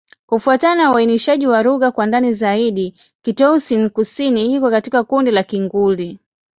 Kufuatana na uainishaji wa lugha kwa ndani zaidi, Kitoussian-Kusini iko katika kundi la Kigur.